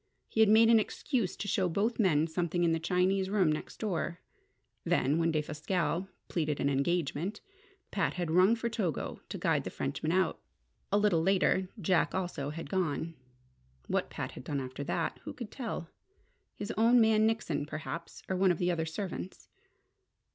He had made an excuse to show both men something in the Chinese room next door. Then, when Defasquelle pleaded an engagement, Pat had rung for Togo to guide the Frenchman out. A little later Jack also had gone. What Pat had done after that, who could tell? His own man Nickson, perhaps, or one of the other servants.